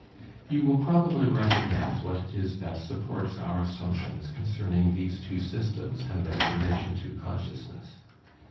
You will probably recognize what it is that supports our assumptions concerning these two systems and their relation to consciousness.